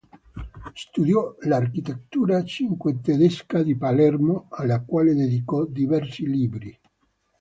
Studiò l'architettura cinquecentesca di Palermo, alla quale dedicò diversi libri.